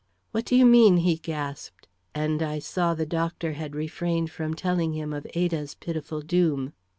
"What do you mean?" he gasped; and I saw the doctor had refrained from telling him of Ada's pitiful doom.